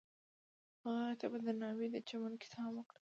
هغه هغې ته په درناوي د چمن کیسه هم وکړه.